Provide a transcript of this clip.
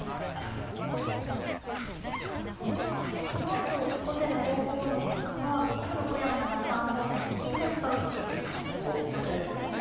このあと後手の５五の角は６四７三方面に引いて使うことになるんですね。